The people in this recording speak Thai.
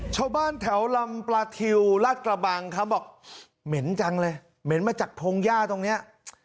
ชาวบ้านแถวลำปลาทิวราชกระบังเขาบอกเหม็นจังเลยเหม็นมาจากพงหญ้าตรงเนี้ย